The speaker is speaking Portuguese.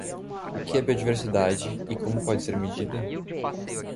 O que é biodiversidade e como pode ser medida?